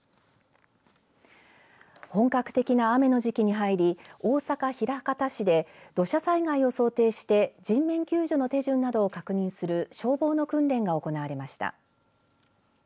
本格的な雨の時期に入り大阪枚方市で土砂災害を想定して人命救助の手順など確認する消防の訓練が行われました。